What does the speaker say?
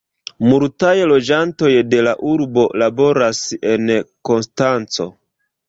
Multaj loĝantoj de la urbo laboras en Konstanco.